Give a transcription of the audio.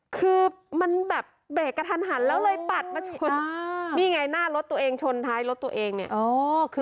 คือมันแบบเบรกกระทันหันแล้วเลยปัดมาชนนี่ไงหน้ารถตัวเองชนท้ายรถตัวเองเนี่ย